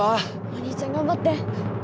お兄ちゃん頑張って。